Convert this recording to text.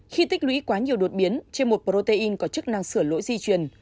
khi tích lũy quá nhiều đột biến trên một protein có chức năng sửa lỗi di chuyển